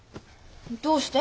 どうして？